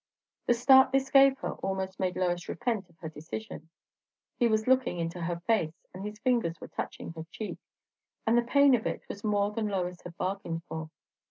The start this gave her almost made Lois repent of her decision; he was looking into her face, and his fingers were touching her cheek, and the pain of it was more than Lois had bargained for.